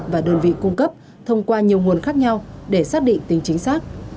và đơn vị cung cấp thông qua nhiều nguồn khác nhau để xác định tính chính xác